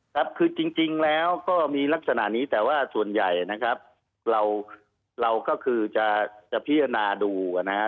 ครับคือจริงแล้วก็มีลักษณะนี้แต่ว่าส่วนใหญ่นะครับเราก็คือจะพิจารณาดูนะฮะ